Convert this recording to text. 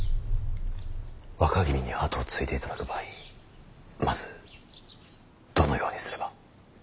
若君に跡を継いでいただく場合まずどのようにすれば。